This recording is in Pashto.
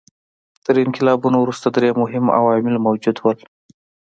تر انقلابونو وروسته درې مهم عوامل موجود وو.